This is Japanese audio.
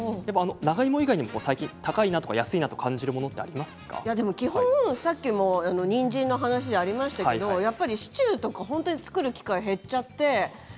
長芋以外にも最近高いなとか安いなと感じるもの基本さっきのにんじんの話じゃありませんけどシチューとか本当に作る機会が減っちゃって。